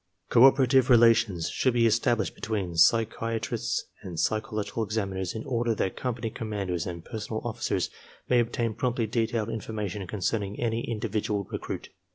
Cooperative relations should be established between psychia trists and psychological examiners in order that company com manders and personnel officers may obtain promptly detailed information concerning any individual recruit.